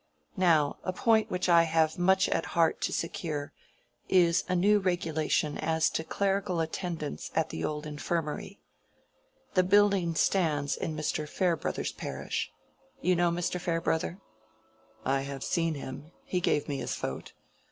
Now a point which I have much at heart to secure is a new regulation as to clerical attendance at the old infirmary. The building stands in Mr. Farebrother's parish. You know Mr. Farebrother?" "I have seen him. He gave me his vote.